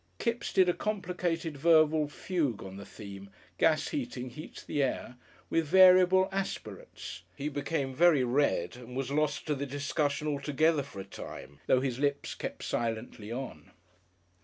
Kipps did a complicated verbal fugue on the theme, "gas heating heats the air," with variable aspirates; he became very red and was lost to the discussion altogether for a time, though his lips kept silently on.